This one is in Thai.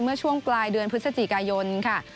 เมื่อช่วงปลายเดือนพฤศจิกายนค่ะ